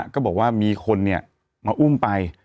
ก็บอกว่ามีคนมาอุ้มไป